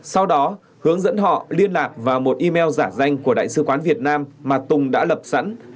sau đó hướng dẫn họ liên lạc vào một email giả danh của đại sứ quán việt nam mà tùng đã lập sẵn